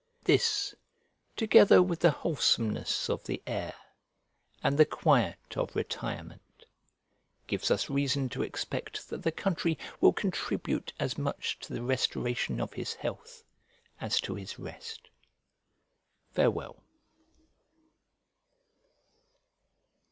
This, together with the wholesomeness of the air, and the quiet of retirement, gives us reason to expect that the country will contribute as much to the restoration of his health as to his rest. Farewell.